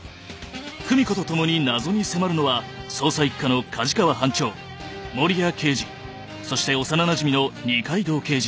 久美子と共に謎に迫るのは捜査一課の加治川班長守屋刑事そして幼なじみの二階堂刑事